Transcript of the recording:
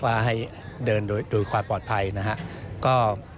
ว่าให้เดินโดยความปลอดภัยนะครับ